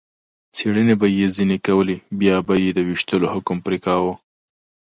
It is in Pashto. څېړنې به یې ځنې کولې، بیا به یې د وېشتلو حکم پرې کاوه.